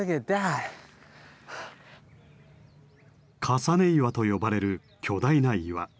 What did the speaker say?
重岩と呼ばれる巨大な岩。